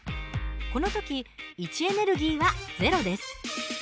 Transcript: この時位置エネルギーはゼロです。